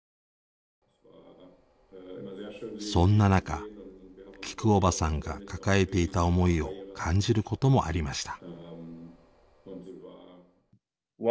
そんな中きくおばさんが抱えていた思いを感じることもありました。